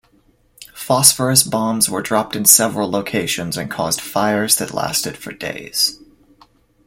Phosphorus bombs were dropped in several locations and caused fires that lasted for days.